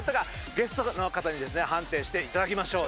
ゲストの方に判定していただきましょう。